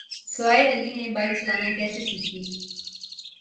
سوہائے علی نے بائیک چلانا کیسے سیکھی